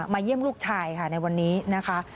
เยี่ยมลูกชายค่ะในวันนี้นะคะ